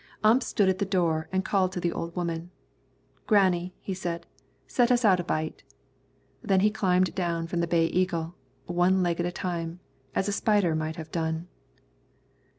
Ump stopped at the door and called to the old woman. "Granny," he said, "set us out a bite." Then he climbed down from the Bay Eagle, one leg at a time, as a spider might have done.